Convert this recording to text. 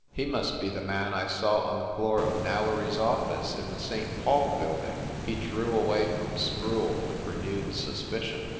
"He must be the man I saw on the floor of Nailery s office in the St. Paul building!" He drew away from Sproule with renewed suspicion.